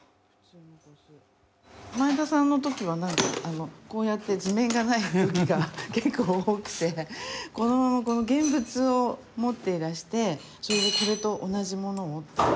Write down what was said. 前田さんのときはなんかこうやって図面がないときが結構多くてこのままこの現物を持っていらしてそれでこれと同じ物をっていう。